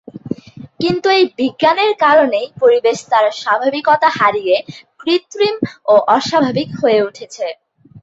কিন্তু এই বিজ্ঞানের কারণেই পরিবেশ তার স্বাভাবিকতা হারিয়ে কৃত্রিম ও অস্বাভাবিক হয়ে উঠেছে।